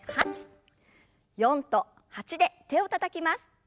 ４と８で手をたたきます。